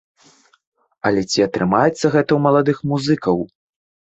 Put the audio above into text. Але ці атрымаецца гэта ў маладых музыкаў?